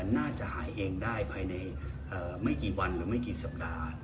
น่าจะหายเองได้ภายในไม่กี่วันหรือไม่กี่สัปดาห์